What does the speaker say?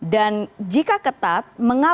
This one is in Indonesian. dan jika ketat mengapa